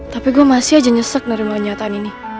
tapi gue masih aja nyesek menerima kenyataan ini